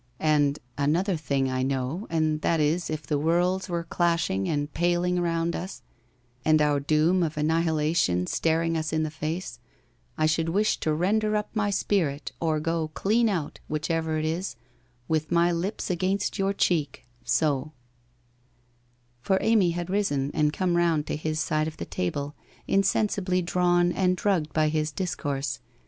And another thing I know and that is if the worlds were clash ing and paling round us, and our doom of annihilation star ing us in the face, I should wish to render up my spirit, or go clean out, whichever it is, with my lips against your cheek — so ' For Amy had risen and come round to his side of the table, insensibly drawn and drugged by his discourse.